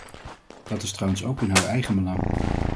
Dat is trouwens ook in haar eigen belang.